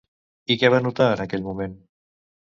I què va notar en aquell moment?